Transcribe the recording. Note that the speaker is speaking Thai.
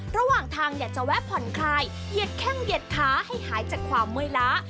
ระหว่างทางอยากจะแวะผ่อนคลายเหยียดแข้งเหยียดขาให้หายจากความเมื่อยล้า